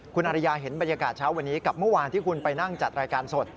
คุณอริยาเห็นบรรยากาศเช้าวันนี้กับเมื่อวานที่คุณไปนั่งจัดรายการสด